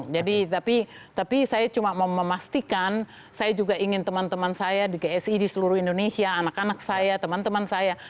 jadi tapi saya cuma mau memastikan saya juga ingin teman teman saya di gsi di seluruh indonesia anak anak saya teman teman saya